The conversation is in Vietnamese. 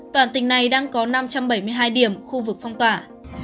toàn tỉnh này đang có năm trăm bảy mươi hai điểm khu vực phong tỏa